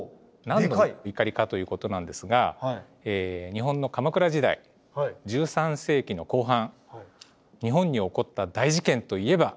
何の碇かということなんですが日本の鎌倉時代１３世紀の後半日本に起こった大事件といえば？